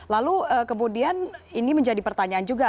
lalu kemudian ini menjadi pertanyaan juga